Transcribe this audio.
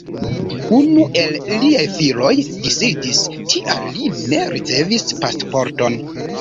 Unu el liaj filoj disidis, tial li ne ricevis pasporton.